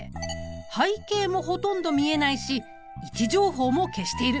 背景もほとんど見えないし位置情報も消している。